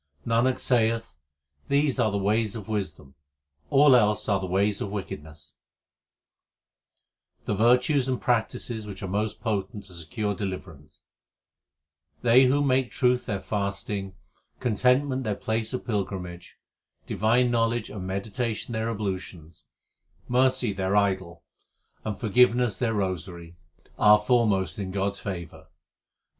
Nanak saith, these are the ways of wisdom, all ilsr are ways of wickedness. 374 THE SIKH RELIGION The virtues and practices which are most potent to secure deliverance : They who make truth their fasting, contentment their place of pilgrimage, divine knowledge and meditation their ablutions, Mercy their idol, and forgiveness their rosary, are fore most in God s favour.